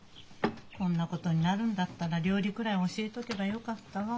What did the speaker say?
こんなことになるんだったら料理ぐらい教えとけばよかったわ。